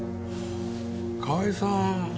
河合さん